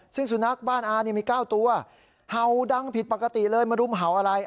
ซึ่งสุนัขบ้านอาเนี่ยมี๙ตัวเห่าดังผิดปกติเลยมารุมเห่าอะไร